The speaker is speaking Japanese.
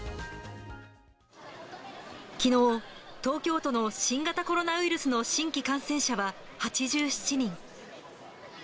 きのう、東京都の新型コロナウイルスの新規感染者は８７人。